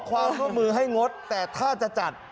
ความร่วมมือให้งดแต่ถ้าจะจัด